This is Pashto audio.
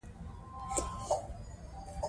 که ښځې نالوستې پاتې شي اقتصاد زیانمن کېږي.